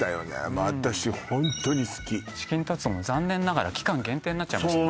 もう私ホントに好きチキンタツタも残念ながら期間限定になっちゃいましたね